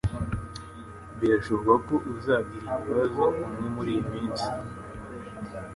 Birashoboka ko uzagira ibibazo umwe muriyi minsi.